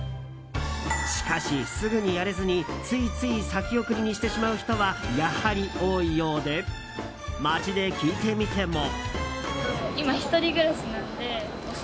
しかし、すぐにやれずについつい先送りにしてしまう人はやはり多いようで街で聞いてみても。